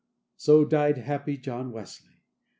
So died happy John Wesley.